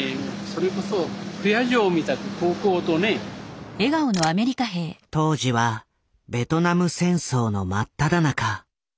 それこそ当時はベトナム戦争の真っただ中。